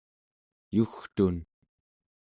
yugtun